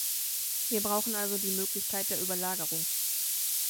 Wir brauchen also die Möglichkeit der Überlagerung.